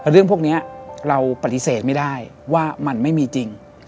เรื่องพวกนี้เราปฏิเสธไม่ได้ว่ามันไม่มีจริง